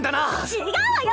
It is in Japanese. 違うわよ！